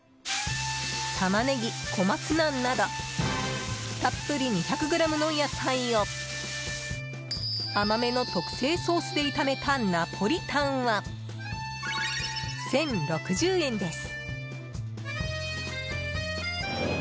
タマネギ、小松菜などたっぷり２００ｇの野菜を甘めの特製ソースで炒めたナポリタンは、１０６０円です。